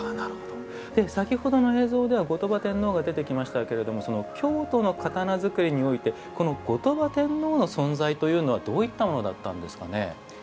先ほどの映像では後鳥羽天皇が出てきましたが京都の刀作りにおいて後鳥羽天皇の存在というのはどういったものだったんですかね。